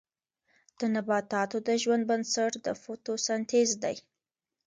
د نباتاتو د ژوند بنسټ د فوتوسنتیز دی